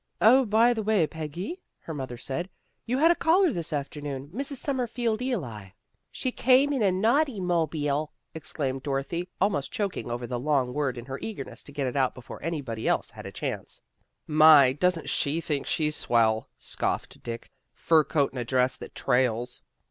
" 0, by the way, Peggy," her mother said, " you had a caller this afternoon, Mrs. Summerneld Ely." " She came in a naughty mobeel," exclaimed Dorothy, almost choking over the long word in her eagerness to get it out before anybody else had a chance. " My! Doesn't she think she's swell," scoffed Dick. " Fur coat and a dress that trails."